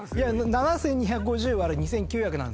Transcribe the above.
７，２５０割る２，９００なんですよ。